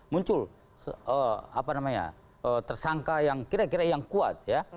muncul tersangka yang kira kira kuat